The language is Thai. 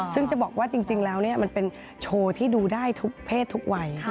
ซึ่งจะบอกว่าจริงแล้วมันเป็นโชว์ที่ดูได้ทุกเพศทุกวัย